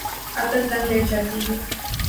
عقل دنگ رہ جاتی ہے۔